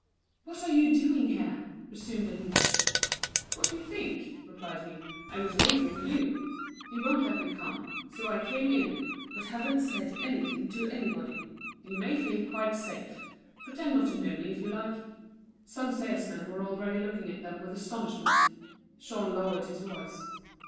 "What are you doing here?" resumed Denise. "What do you think?" replied he. "I was waiting for you. You won't let me come. So I came in, but haven't said anything to anybody. You may feel quite safe. Pretend not to know me, if you like." Some salesmen were already looking at them with astonishment. Jean lowered his voice.